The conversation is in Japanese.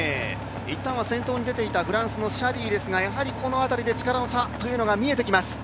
一旦は先頭に出ていたフランスのシャディですがやはりこの辺りで力の差というのが見えてきます。